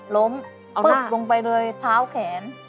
ล้มปุ๊บลงไปเลยเท้าแขน